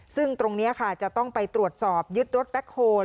ซึ่งตรงนี้ค่ะจะต้องไปตรวจสอบยึดรถแบ็คโฮล